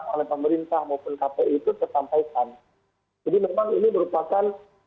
masyarakat itu membutuhkan